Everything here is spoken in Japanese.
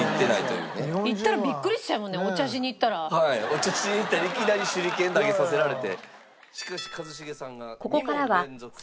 お茶しに行ったらいきなり手裏剣投げさせられて。